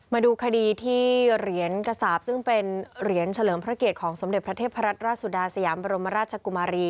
มาดูคดีที่เหรียญกษาปซึ่งเป็นเหรียญเฉลิมพระเกียรติของสมเด็จพระเทพรัตนราชสุดาสยามบรมราชกุมารี